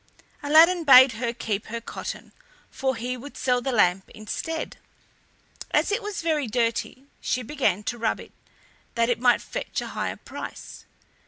Aladdin bade her keep her cotton, for he would sell the lamp instead. As it was very dirty, she began to rub it, that it might fetch a higher price.